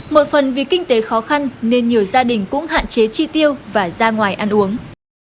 một phần vì kinh tế khó khăn nên nhiều gia đình cũng hạn chế chi tiêu và ra ngoài ăn uống